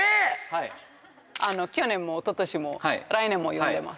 はい去年もおととしも来年も呼んでます